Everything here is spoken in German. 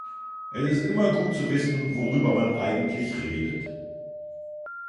Es ist immer gut zu wissen, worüber man eigentlich redet.